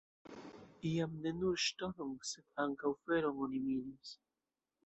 Iam ne nur ŝtonon, sed ankaŭ feron oni minis.